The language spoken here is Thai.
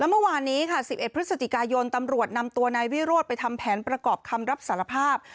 เมื่อวานนี้ค่ะ๑๑พฤศจิกายนตำรวจนำตัวนายวิโรธไปทำแผนประกอบคำรับสารภาพ